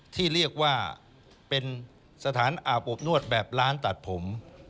ที่เรียกว่าเป็นสถานอาบอบนวดแบบร้านตัดผม